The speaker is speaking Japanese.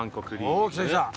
おぉ来た来た。